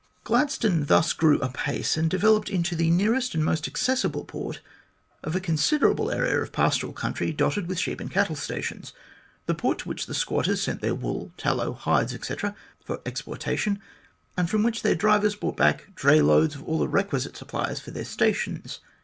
Gladstone thus grew apace, and developed into the nearest and most accessible port of a considerable area of pastoral country dotted with sheep and cattle stations, the port to which the squatters sent their wool, tallow, hides, etc., for exportation, and from which their drivers brought back dray loads of all the requisite supplies for their stations.